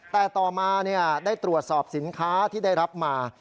แต่ต่อมาได้ตรวจสอบสินค้าที่ได้รับมา